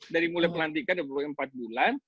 dari mulai pelantikan dua puluh empat bulan